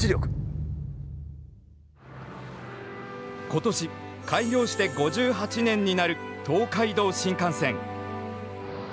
今年開業して５８年になる東海道新幹線。